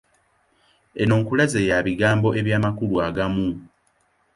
Eno nkuluze ya bigambo eby’amakulu agamu.